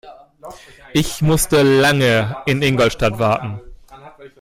Ich musste lange in Ingolstadt warten